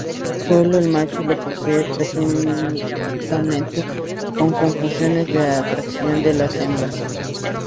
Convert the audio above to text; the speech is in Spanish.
Solo el macho los posee, presuntamente con funciones de atracción de las hembras.